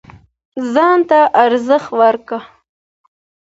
ځان ته ارزښت ورکړه